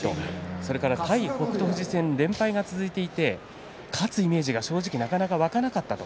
そして、対北勝富士戦は連敗が続いていて勝つイメージが正直なかなか湧かなかった。